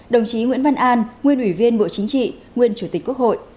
đồng chí nguyễn văn an nguyên ủy viên bộ chính trị nguyên chủ tịch quốc hội